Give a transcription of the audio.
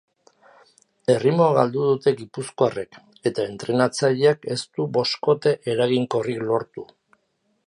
Erritmoa galdu dute gipuzkoarrek eta entrenatzaileak ez du boskote eraginkorrik lortu.